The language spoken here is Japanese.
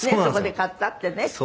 そこで刈ったってね。